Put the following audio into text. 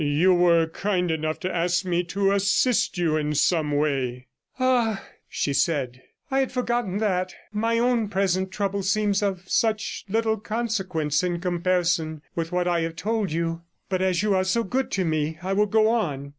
You were kind enough to ask me to assist you in some way.' 'Ah,' she said, 'I had forgotten that; my own present trouble seems of such little consequence in comparison with what I have told you. But as you are so good to me, I will go on.